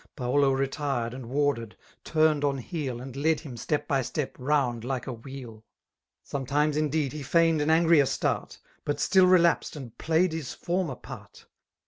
Paolo retired^ and warded> turned on heel» And led him, step by step^ round like a whedl. H €r €C Sonetimes indfiod he fmgsntd an angrier Btart, But still relapsed^ and played his former part.